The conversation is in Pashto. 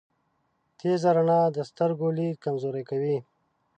تیزه رڼا د سترګو لید کمزوری کوی.